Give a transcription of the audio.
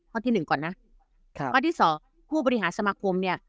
ที่หนึ่งก่อนนะข้อที่สองผู้บริหารสมาคมเนี่ย